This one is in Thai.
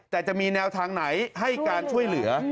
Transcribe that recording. แต่จะมีแนวทางไหนให้การช่วยเหลือ